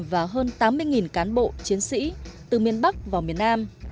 và hơn tám mươi cán bộ chiến sĩ từ miền bắc vào miền nam